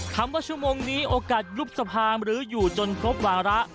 คำว่าชั่วโมงนี้โอกาสยุบสภาหรืออยู่จนครบวาระ